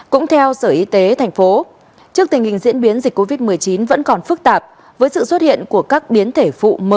cũng theo sở y tế thành phố trước tình hình diễn biến dịch covid một mươi chín vẫn còn phức tạp với sự xuất hiện của các biến thể phụ m